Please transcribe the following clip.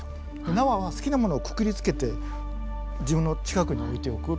縄は好きなものをくくりつけて自分の近くに置いておく。